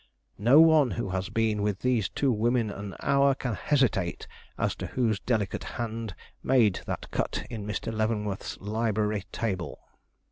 No one who has been with these two women an hour can hesitate as to whose delicate hand made that cut in Mr. Leavenworth's library table.